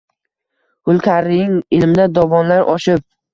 Hulkaring ilmda dovonlar oshib